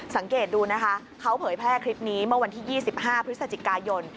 สังเกตดูนะคะเขาเผยแพร่คลิปนี้เมื่อวันที่๒๕พฤศจิกายน